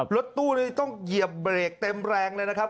รถตู้นี้ต้องเหยียบเบรกเต็มแรงเลยนะครับ